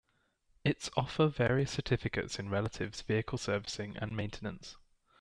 Its offer various certificates in relatives vehicle servicing and maintenance.